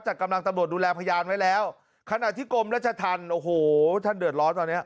จัดกำลังตำรวจดูแลพยานไว้แล้วขณะที่กรมรัชธรรมโอ้โหท่านเดือดร้อนตอนเนี้ย